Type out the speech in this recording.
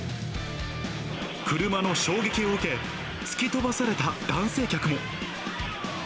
車の衝撃を受け、突き飛ばされた男性客も。